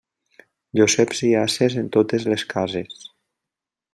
Joseps i ases en totes les cases.